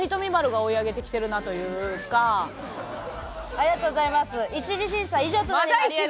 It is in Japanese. ありがとうございます。